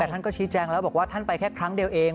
แต่ท่านก็ชี้แจงแล้วบอกว่าท่านไปแค่ครั้งเดียวเอง